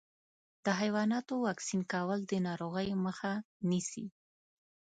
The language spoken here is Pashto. د حیواناتو واکسین کول د ناروغیو مخه نیسي.